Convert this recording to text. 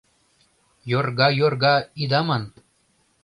Йорга-йорга ида ман: